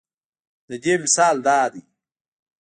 د دې مثال دا دے